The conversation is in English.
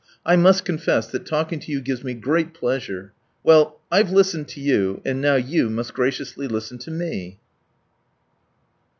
I must confess that talking to you gives me great pleasure. Well, I've listened to you, and now you must graciously listen to me."